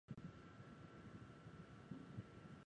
每日提供服务。